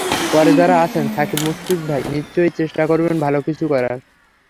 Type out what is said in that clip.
পরে যাঁরা আছেন, সাকিব-মুশফিক ভাই নিশ্চয়ই চেষ্টা করবেন ভালো কিছু করার।